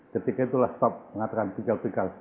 ketika itu last stop mengatakan pikal pikal